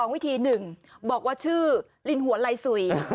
วิธี๑บอกว่าชื่อลินหัวลายสุย